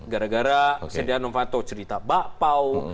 gara gara sedyar novatow cerita bakpao